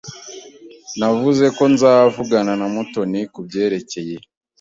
Navuze ko nzavugana na Mutoni kubyerekeye.